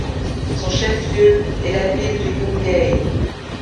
Son chef-lieu est la ville de Yungay.